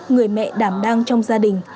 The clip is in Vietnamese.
người mẹ đảm đang trong gia đình